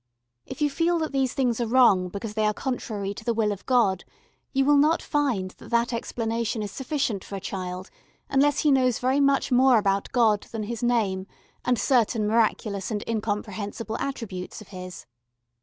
If you feel that these things are wrong because they are contrary to the will of God, you will not find that that explanation is sufficient for a child unless he knows very much more about God than His name and certain miraculous and incomprehensible attributes of His.